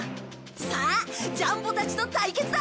さあジャンボたちと対決だ！